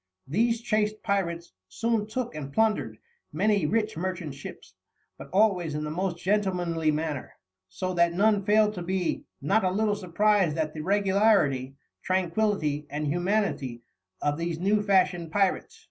These chaste pirates soon took and plundered many rich merchant ships, but always in the most gentlemanly manner, so that none failed to be "not a little surprised at the Regularity, Tranquillity and Humanity of these new fashioned Pyrates."